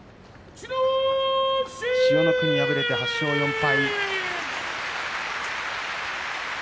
千代の国は敗れて８勝４敗。